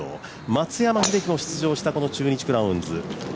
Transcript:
松山英樹も出場していた中日クラウンズ。